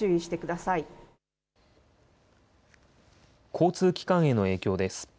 交通機関への影響です。